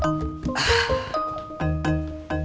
tunggu bentar ya kakak